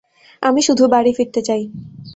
আমি শুধু বাড়ি ফিরতে চাই।